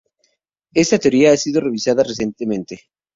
Esta teoría ha sido revisada recientemente.